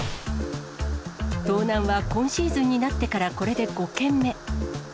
盗難は今シーズンになってからこれで５件目。